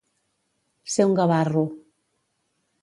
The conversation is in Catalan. Ser un gavarro.